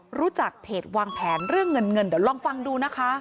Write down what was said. รู้จักเพจวางแผนเรื่องเงินเงินเดี๋ยวลองฟังดูนะคะ